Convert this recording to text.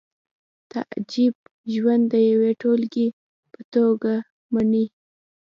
تعجب ژوند د یوې ټولګې په توګه مني